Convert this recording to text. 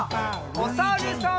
おさるさん。